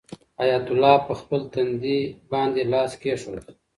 حیات الله په خپل تندي باندې لاس کېښود.